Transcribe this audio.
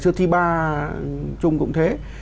trong thi ba chung cũng thế